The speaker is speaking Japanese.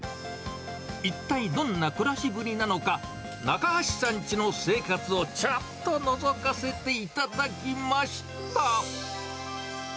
一体どんな暮らしぶりなのか、中橋さんちの生活をちょっとのぞかせていただきました。